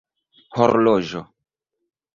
horloĝo